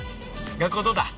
学校はどうだ？